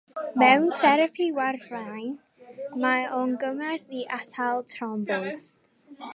Mewn therapi warfarin, mae o gymorth i atal thrombosis.